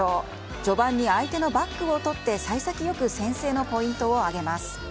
序盤に相手のバックを取って幸先よく先制のポイントを挙げます。